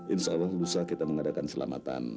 insya allah lusa kita mengadakan selamatan